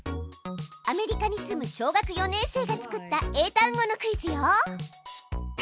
アメリカに住む小学４年生がつくった英単語のクイズよ！